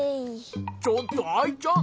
ちょっとアイちゃん！